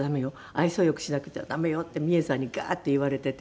愛想良くしなくては駄目よ」ってミエさんにガーッて言われていて。